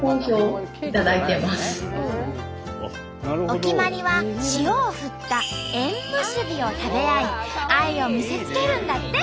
お決まりは塩を振った「塩むすび」を食べ合い愛を見せつけるんだって！